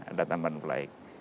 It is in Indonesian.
ada tambahan flight